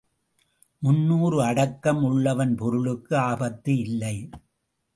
முன்னூறு அடக்கம் உள்ளவன் பொருளுக்கு ஆபத்து இல்லை.